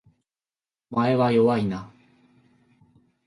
お前は弱いな